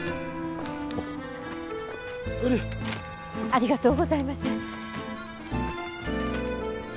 ありがとうございます。